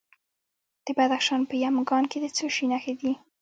د بدخشان په یمګان کې د څه شي نښې دي؟